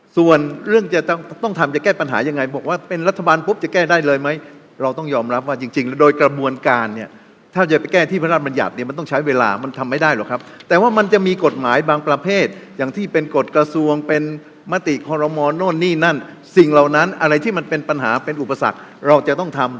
ส่วนเรื่องจะต้องทำจะแก้ปัญหายังไงบอกว่าเป็นรัฐบาลปุ๊บจะแก้ได้เลยไหมเราต้องยอมรับว่าจริงโดยกระบวนการเนี่ยถ้าจะไปแก้ที่พระราชบัญญัติเนี่ยมันต้องใช้เวลามันทำไม่ได้หรอกครับแต่ว่ามันจะมีกฎหมายบางประเภทอย่างที่เป็นกฎกระทรวงเป็นมติคอรมอลโน่นนี่นั่นสิ่งเหล่านั้นอะไรที่มันเป็นปัญหาเป็นอุปสรรคเราจะต้องทำ